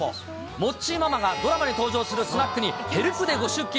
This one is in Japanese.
モッチーママがドラマに登場するスナックに、ヘルプでご出勤。